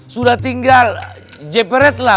sudah tinggal jeberet lah